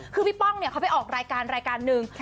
คือพี่ป้องเขาไปออกรายการหนึ่ง